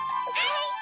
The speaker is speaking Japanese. はい！